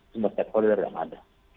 semua stakeholder yang ada